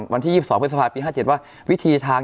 วันที่๒๒พฤษภาปี๕๗ว่าวิธีทาง